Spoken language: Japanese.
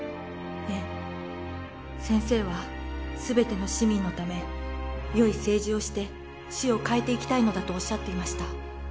ええ先生は全ての市民のため良い政治をして市を変えていきたいのだとおっしゃっていました